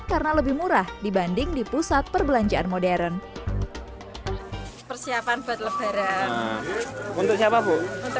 karena lebih murah dibanding di pusat perbelanjaan modern persiapan buat lebaran untuk siapa bu untuk